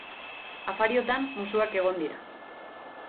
Afariotan musuak egon dira.